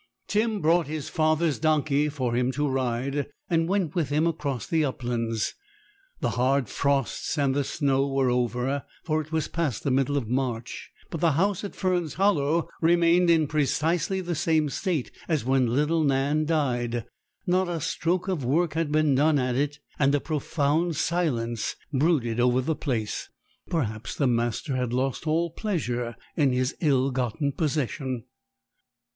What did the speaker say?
Tim brought his father's donkey for him to ride, and went with him across the uplands. The hard frosts and the snow were over, for it was past the middle of March; but the house at Fern's Hollow remained in precisely the same state as when little Nan died; not a stroke of work had been done at it, and a profound silence brooded over the place. Perhaps the master had lost all pleasure in his ill gotten possession!